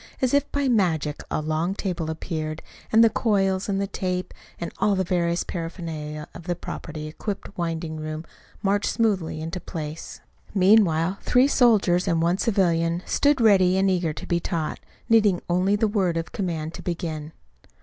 As if by magic a long table appeared, and the coils and the tape, and all the various paraphernalia of a properly equipped winding room marched smoothly into place. Meanwhile three soldiers and one civilian stood ready and eager to be taught, needing only the word of command to begin.